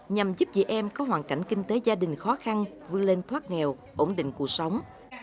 nhằm giúp chị em có hoàn cảnh kinh tế gia đình khó khăn vươn lên thoát nghèo ổn định cuộc sống